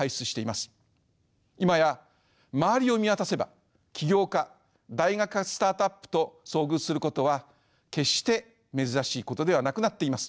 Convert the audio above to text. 今や周りを見渡せば起業家大学発スタートアップと遭遇することは決して珍しいことではなくなっています。